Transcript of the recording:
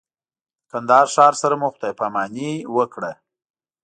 د کندهار ښار سره مو خدای پاماني وکړه.